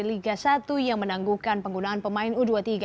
liga satu yang menangguhkan penggunaan pemain u dua puluh tiga